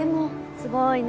すごいね。